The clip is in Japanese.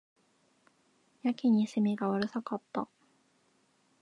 やけに蝉がうるさかった